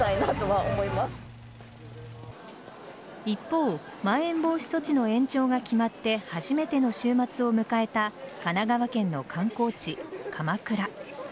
一方まん延防止措置の延長が決まって初めての週末を迎えた神奈川県の観光地鎌倉。